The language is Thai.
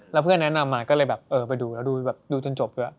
แล้วเพื่อนแนะนำมาก็เลยแบบเออไปดูแล้วดูแบบดูจนจบด้วย